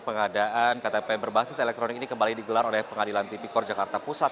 pengadaan ktp berbasis elektronik ini kembali digelar oleh pengadilan tipikor jakarta pusat